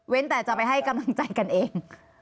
แต่จะไปให้กำลังใจกันเอง